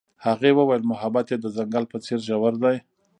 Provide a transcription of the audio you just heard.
هغې وویل محبت یې د ځنګل په څېر ژور دی.